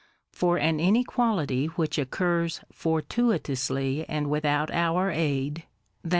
For an inequality which occurs fortuitously and without our aid, i.